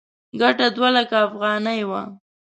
ګټه دوه لکه افغانۍ وه.